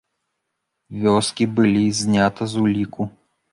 Вёскі былі знята з уліку.